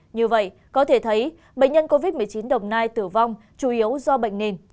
như vậy có thể thấy bệnh nhân covid một mươi chín đồng nai tử vong chủ yếu do bệnh nền